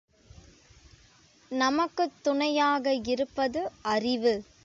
நமக்குத் துணையாக இருப்பது அறிவு.